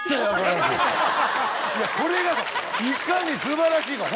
いやこれがいかに素晴らしいかホンマに。